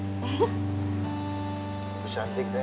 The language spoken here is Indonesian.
hai kamu cantik sekali deh